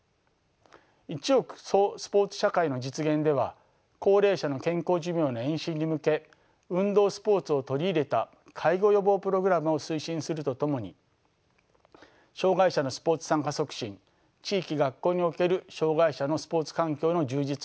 一億総スポーツ社会の実現では高齢者の健康寿命の延伸に向け運動スポーツを取り入れた介護予防プログラムを推進するとともに障害者のスポーツ参加促進地域学校における障害者のスポーツ環境の充実を目指しています。